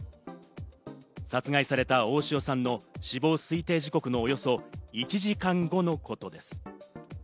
殺害された大塩さんの死亡推定時刻のおよそ１時間後のことです。